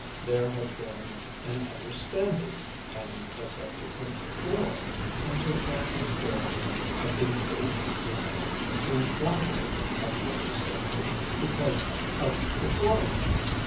There had been an understanding and a subsequent quarrel, and Sir Francis Geraldine had been base enough to inform him of the understanding because of the quarrel.